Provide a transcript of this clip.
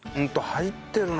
入ってるね。